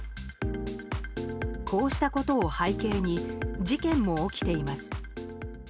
こうしたことを背景に事件も起きています。